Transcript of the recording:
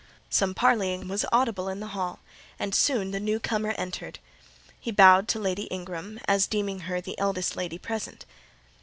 Some parleying was audible in the hall, and soon the new comer entered. He bowed to Lady Ingram, as deeming her the eldest lady present.